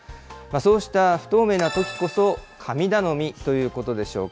そうした不透明なときこそ、神頼みということでしょうか。